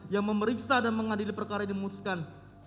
yang memeriksa dan mengadili perkara ini memutuskan